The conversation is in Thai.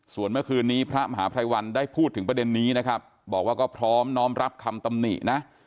ส่วนเมื่อคืนนี้พระมหาภัยวันได้พูดถึงประเด็นนี้นะครับบอกว่าก็พร้อมน้อมรับคำตำหนินะ